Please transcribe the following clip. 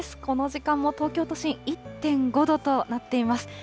この時間も東京都心、１．５度となっています。